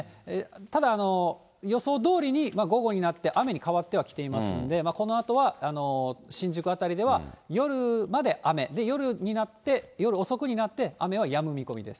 ただ、予想どおりに午後になって、雨に変わってはきていますので、このあとは新宿辺りでは夜まで雨、夜になって、夜遅くになって、雨はやむ見込みです。